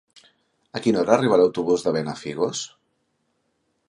A quina hora arriba l'autobús de Benafigos?